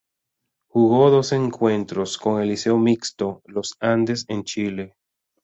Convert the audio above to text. Jugó dos encuentros con el Liceo Mixto Los Andes en Chile.